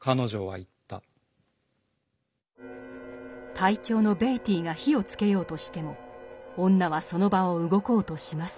隊長のベイティーが火をつけようとしても女はその場を動こうとしません。